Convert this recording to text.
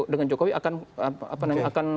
dengan jokowi akan